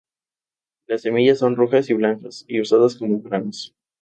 Las semillas son rojas y blancas y usadas como granos.